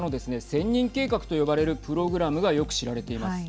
千人計画と呼ばれるプログラムがよく知られています。